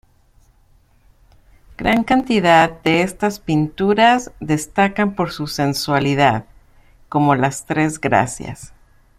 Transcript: Gran cantidad de estas pinturas destacan por su sensualidad, como "Las tres Gracias".